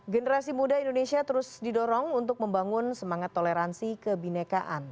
generasi muda indonesia terus didorong untuk membangun semangat toleransi kebinekaan